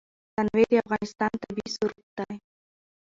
تنوع د افغانستان طبعي ثروت دی.